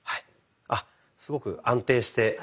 あすごく安定して。